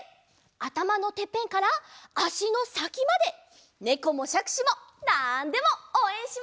あたまのてっぺんからあしのさきまでねこもしゃくしもなんでもおうえんしますよ！